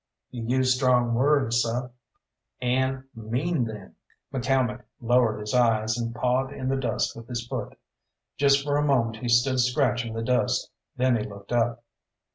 "You use strong words, seh." "And mean them!" McCalmont lowered his eyes, and pawed in the dust with his foot. Just for a moment he stood scratching the dust, then he looked up.